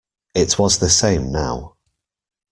It was the same now.